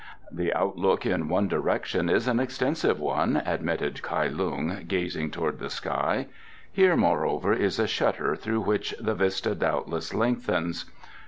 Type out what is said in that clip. "The outlook, in one direction, is an extensive one," admitted Kai Lung, gazing towards the sky. "Here, moreover, is a shutter through which the vista doubtless lengthens."